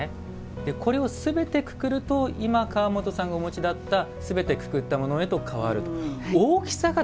これをすべて、くくると川本さんがお持ちだったすべてくくったものへと変わる。